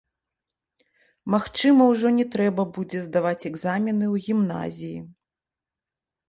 Магчыма, ужо не трэба будзе здаваць экзамены ў гімназіі.